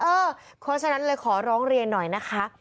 เพราะฉะนั้นเลยขอร้องเรียนหน่อยนะคะ